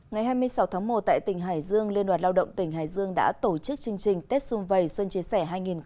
ngày hai mươi sáu tháng một tại tỉnh hải dương liên đoàn lao động tỉnh hải dương đã tổ chức chương trình tết xuân vầy xuân chia sẻ hai nghìn hai mươi